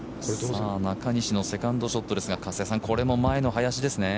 中西のセカンドショットですが、加瀬さん、これも前の林ですね。